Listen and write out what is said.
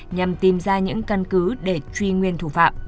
nhằm tìm ra những căn cứ để truy nguyên thủ phạm